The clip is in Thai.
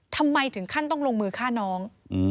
ทำไมถึงขั้นต้องลงมือฆ่าน้อง